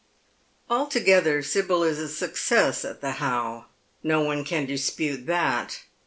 Altogether Sibyl is a success at the How. No one can dispute that.